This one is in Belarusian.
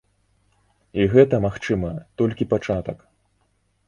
І гэта, магчыма, толькі пачатак.